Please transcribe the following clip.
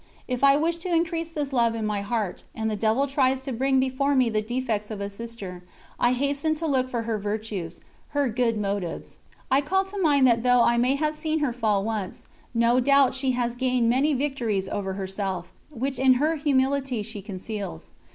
If I wish to increase this love in my heart, and the devil tries to bring before me the defects of a Sister, I hasten to look for her virtues, her good motives; I call to mind that though I may have seen her fall once, no doubt she has gained many victories over herself, which in her humility she conceals.